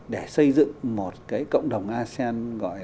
để xây dựng một cái cộng đồng asean gọi là